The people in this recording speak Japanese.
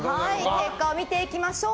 結果を見ていきましょう。